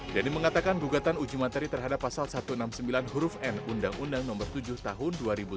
dhani mengatakan gugatan uji materi terhadap pasal satu ratus enam puluh sembilan huruf n undang undang nomor tujuh tahun dua ribu tujuh belas